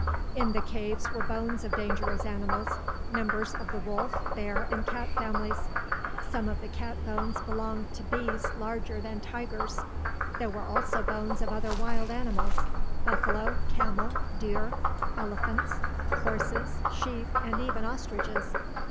In the cave were bones of dangerous animals, members of the wolf, bear, and cat families. Some of the cat bones belonged to beasts larger than tigers. There were also bones of other wild animals: buffalo, camel, deer, elephants, horses, sheep, and even ostriches.